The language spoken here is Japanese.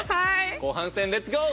後半戦レッツゴー！